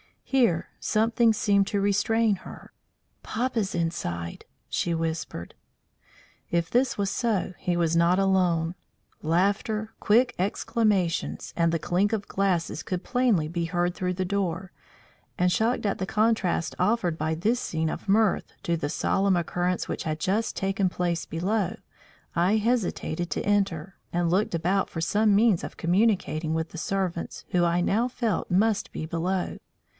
Here something seemed to restrain her. "Papa's inside," she whispered. If this was so, he was not alone. Laughter, quick exclamations, and the clink of glasses could plainly be heard through the door; and shocked at the contrast offered by this scene of mirth to the solemn occurrence which had just taken place below, I hesitated to enter, and looked about for some means of communicating with the servants who I now felt must be below.